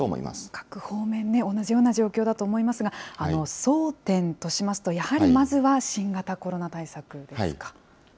各方面ね、同じような状況だと思いますが、争点としますと、やはり、まずは新型コロナ対策ですか。